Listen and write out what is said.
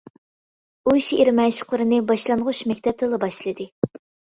ئۇ شېئىر مەشىقلىرىنى باشلانغۇچ مەكتەپتىلا باشلىدى.